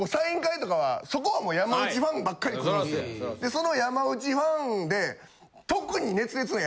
その山内ファンで特に。